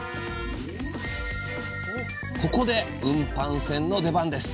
ここで運搬船の出番です。